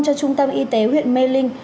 cho trung tâm y tế huyện mê linh